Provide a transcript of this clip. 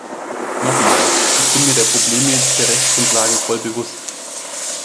Nochmals, ich bin mir der Probleme der Rechtsgrundlage voll bewusst.